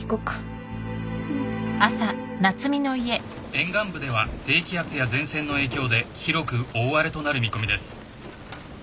沿岸部では低気圧や前線の影響で広く大荒れとなる見込みです。